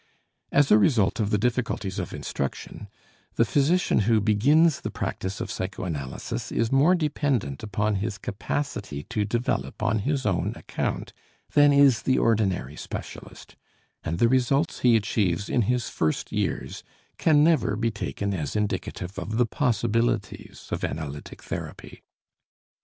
As a result of the difficulties of instruction the physician who begins the practice of psychoanalysis is more dependent upon his capacity to develop on his own account than is the ordinary specialist, and the results he achieves in his first years can never be taken as indicative of the possibilities of analytic therapy.